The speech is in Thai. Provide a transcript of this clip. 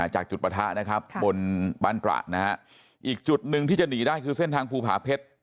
จากจุดประทะนะครับบนบ้านตระนะฮะอีกจุดหนึ่งที่จะหนีได้คือเส้นทางภูผาเพชร